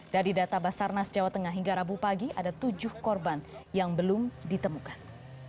dari data basarnas jawa tengah hingga rabu pagi ada tujuh korban yang belum ditemukan